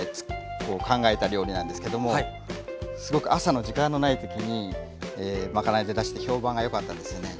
考えた料理なんですけどもすごく朝の時間のない時にまかないで出して評判がよかったんですよね。